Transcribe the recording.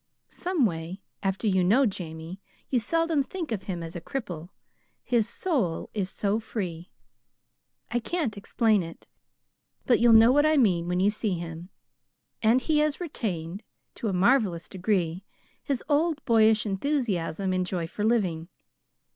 Someway, after you know Jamie, you seldom think of him as a cripple, his SOUL is so free. I can't explain it, but you'll know what I mean when you see him; and he has retained, to a marvelous degree, his old boyish enthusiasm and joy of living.